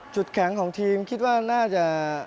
จุดแข็งของทีมคิดว่าน่าจะ